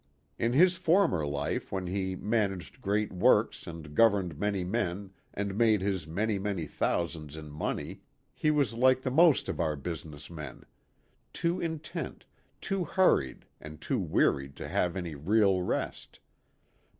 In his former life when he managed great works and governed many men and made his many, many thousands in money he was like the most of our business men too intent, too hur ried and too wearied to have any real rest.